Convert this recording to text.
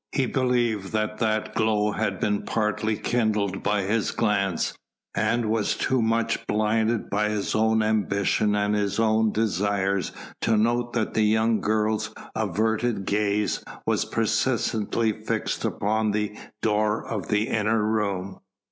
He believed that that glow had been partly kindled by his glance, and was too much blinded by his own ambition and his own desires to note that the young girl's averted gaze was persistently fixed upon the door of the inner room.